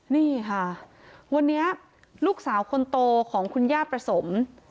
นี่ค่ะวันนี้ลูกสาวคนโตของคุณย่าประสม